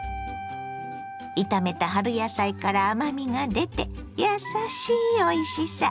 炒めた春野菜から甘みが出てやさしいおいしさ。